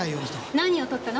何を盗ったの？